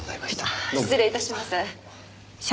失礼致します。